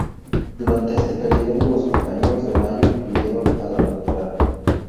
Durante este periodo los compañeros de Mayo incluyeron a la Dra.